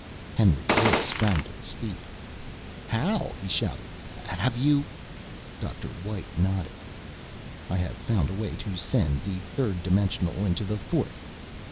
Henry Woods sprang to his feet. "How?" he shouted. "Have you...?" Dr. White nodded. "I have found a way to send the third dimensional into the fourth.